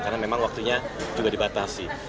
karena memang waktunya juga dibatasi